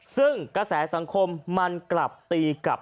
ซึ่งกระแสสังคมมันกลับตีกลับ